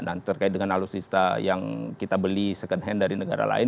dan terkait dengan alutsista yang kita beli second hand dari negara lain